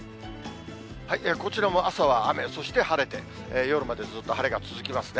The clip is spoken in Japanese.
こちらも朝は雨、そして晴れて、夜までずっと晴れが続きますね。